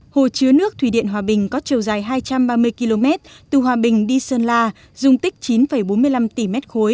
hồ chứa nước thủy điện hòa bình có chiều dài hai trăm ba mươi km từ hòa bình đi sơn la dùng tích chín bốn mươi năm tỷ m ba